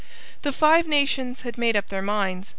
The Five Nations had made up their minds.